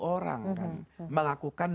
orang kan melakukan